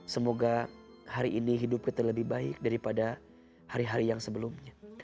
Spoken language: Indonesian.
semoga hari ini hidup kita lebih baik daripada hari hari yang sebelumnya